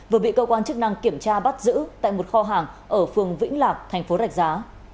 vừa bị cơ quan chức năng kiểm tra bắt giữ tại một kho hàng ở phường vĩnh lạc thành phố rạch giá